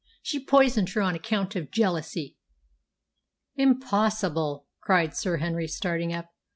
She poisoned her on account of jealousy." "Impossible!" cried Sir Henry, starting up.